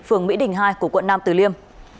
phường mỹ đình hai của quận năm từ liêm